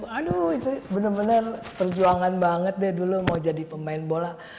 aduh itu bener bener perjuangan banget deh dulu mau jadi pemain bola